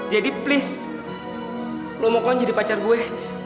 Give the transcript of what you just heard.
jadi please lo mau kapan jadi pacar gue